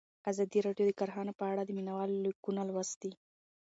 ازادي راډیو د کرهنه په اړه د مینه والو لیکونه لوستي.